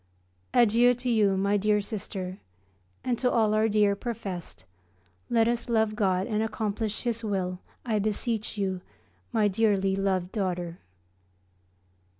Adieu to you, my dear Sister, and to all our dear professed. Let us love God and accomplish His will, I beseech you, my dearly loved daughter.